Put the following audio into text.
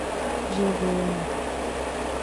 Žil v Lyonu.